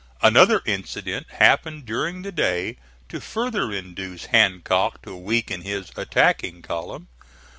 Another incident happened during the day to further induce Hancock to weaken his attacking column.